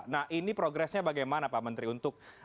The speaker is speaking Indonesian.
nah ini progresnya bagaimana pak menteri untuk